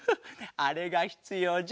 あれがひつようじゃ。